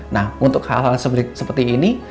nah untuk hal hal seperti ini